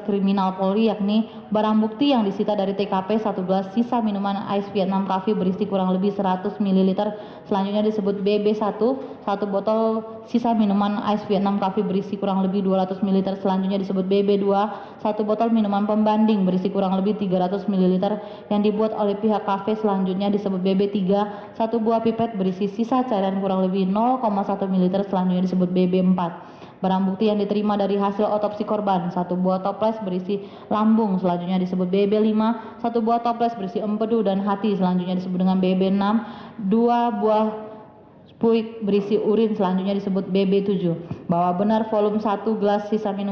cnn indonesia breaking news